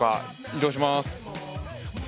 移動します。